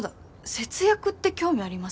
節約って興味ありますか？